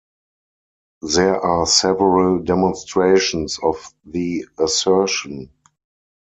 There are several demonstrations of the assertion.